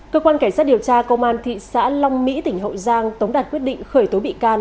cơ quan cảnh sát điều tra công an thị xã long mỹ tỉnh hậu giang tống đạt quyết định khởi tố bị can